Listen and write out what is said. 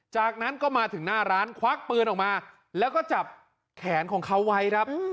จากนั้นก็มาถึงหน้าร้านควักปืนออกมาแล้วก็จับแขนของเขาไว้ครับ